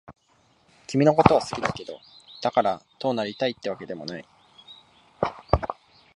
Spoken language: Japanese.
君のことは好きだけど、だからどうなりたいってわけでもない。